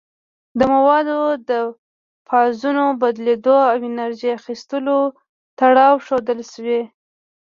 د موادو د فازونو بدلیدو او انرژي اخیستلو تړاو ښودل شوی.